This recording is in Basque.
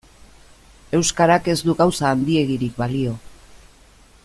Euskarak ez du gauza handiegirik balio.